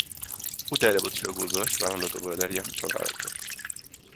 او در بطری را گذاشت و آن را دوباره در یخچال قرار داد.